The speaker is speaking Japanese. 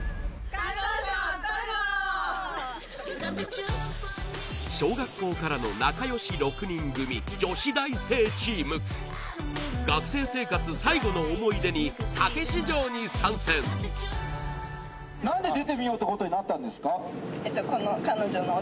敢闘賞とるぞー小学校からの仲良し６人組学生生活最後の思い出にたけし城に参戦何で出てみようってことになったんですか？